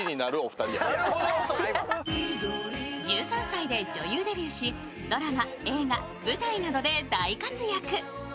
１３歳で女優デビューしドラマ、映画、舞台などで大活躍